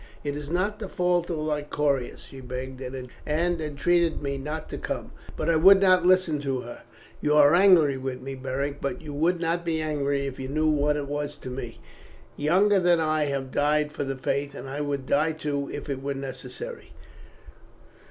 "It is not the fault of Lycoris. She begged and entreated me not to come, but I would not listen to her. You are angry with me, Beric, but you would not be angry if you knew what it was to me. Younger than I have died for the Faith, and I would die too if it were necessary."